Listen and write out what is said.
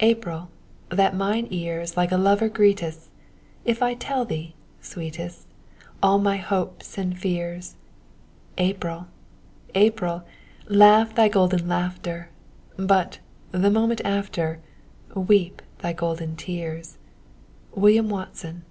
April, that mine ears Like a lover greetest, If I tell thee, sweetest, All my hopes and fears, April, April, Laugh thy golden laughter, But, the moment after, Weep thy golden tears! William Watson.